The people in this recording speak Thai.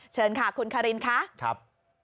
เชิญค่ะคุณคารินค่ะครับ